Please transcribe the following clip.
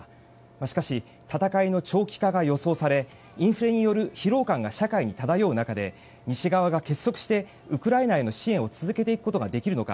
しかし、戦いの長期化が予想されインフレによる疲労感が社会に漂う中で西側が結束してウクライナへの支援を続けていくことができるのか